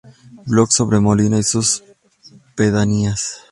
Blog sobre Molina y sus pedanías